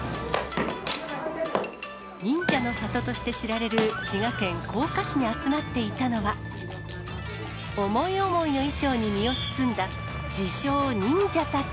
忍者の里として知られる滋賀県甲賀市に集まっていたのは、思い思いの衣装に身を包んだ、自称、忍者たち。